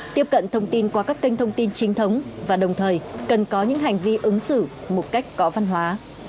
tiếp cận thông tin qua các kênh thông tin chính thống và đồng thời cần có những hành vi ứng xử một cách có văn hóa